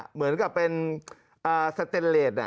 เหมือนกับเป็นสเตนเลส